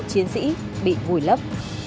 chiến sĩ bị vùi lấp